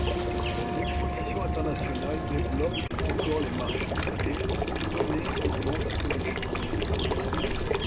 Les expositions internationales développent encore les marchés, et Thonet augmente la production.